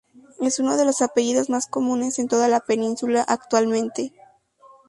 Es uno de los apellidos más comunes, en toda la península, actualmente.